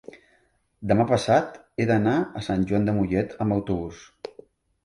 demà passat he d'anar a Sant Joan de Mollet amb autobús.